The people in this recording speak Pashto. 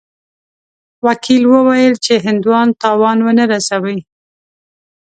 وکیل وویل چې هندوان تاوان ونه رسوي.